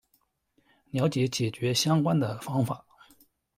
了解解决相关的方法